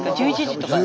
１１時とか？